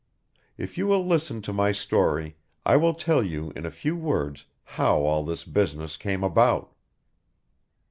If you will listen to my story, I will tell you in a few words how all this business came about."